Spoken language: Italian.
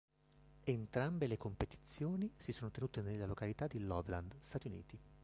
Entrambe le competizioni si sono tenute nella località di Loveland, Stati Uniti.